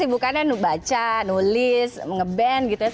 kesibukannya nulis nulis ngeband gitu ya